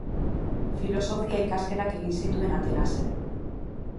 Filosofia ikasketak egin zituen Atenasen.